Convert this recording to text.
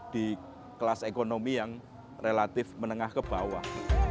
di kelas ekonomi yang relatif menengah ke bawah